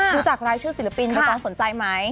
รู้จักรายชื่อศิลปินตอนสนใจไหม